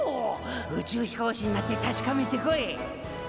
宇宙飛行士になって確かめてこい！